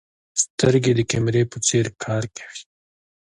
سترګې د کیمرې په څېر کار کوي.